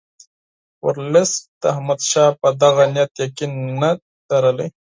ورلسټ د احمدشاه په دغه نیت یقین نه درلود.